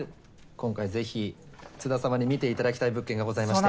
今回是非津田様に見ていただきたい物件がございまして。